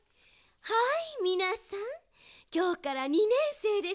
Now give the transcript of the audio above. はいみなさんきょうから２ねんせいですね。